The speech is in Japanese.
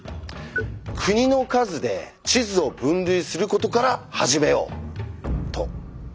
「国の数で地図を分類することから始めよう」と。